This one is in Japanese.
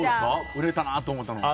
売れたなと思ったのは？